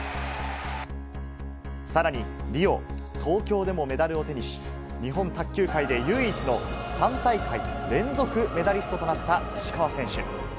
さらにリオ、東京でもメダルを手にし、日本卓球界で唯一の３大会連続メダリストとなった石川選手。